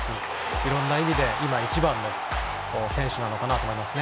いろんな意味で今、いちばんの選手なのかなと思いますね。